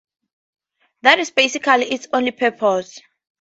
That is basically its only purpose.